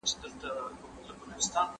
¬ بې کفنه ښه دئ، بې وطنه نه.